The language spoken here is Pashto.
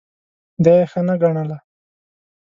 دا یې ښه نه ګڼله.